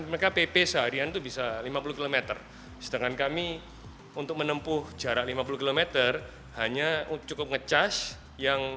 mereka pp seharian itu bisa lima puluh km sedangkan kami untuk menempuh jarak lima puluh km hanya cukup ngecas yang